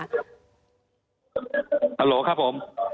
ฮัลโหลครับผม